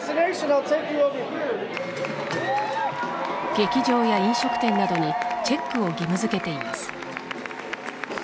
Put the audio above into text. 劇場や飲食店などにチェックを義務づけています。